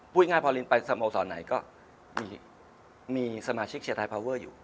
ง่ายพอลินไปสโมสรไหนก็มีสมาชิกเชียร์ไทยพาวเวอร์อยู่